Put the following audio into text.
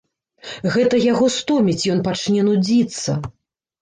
Гэта яго стоміць, ён пачне нудзіцца.